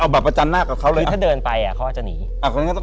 บนคืนนี่หรอ